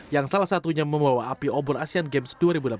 yang salah satunya membawa api obor asian games dua ribu delapan belas